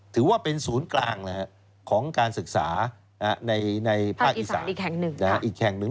ถือว่าเป็นศูนย์กลางของการศึกษาในภาคอีสานอีกแห่งหนึ่ง